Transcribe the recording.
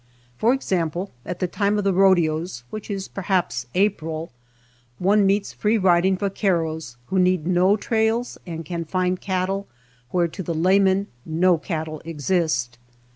For example, at the time of rodeos, which is perhaps April, one meets free rid ing vaqueros who need no trails and can find cattle where to the layman no cattle exist.